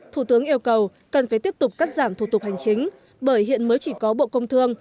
thủ tướng yêu cầu cần phải tiếp tục cắt giảm thủ tục hành chính bởi hiện mới chỉ có bộ công thương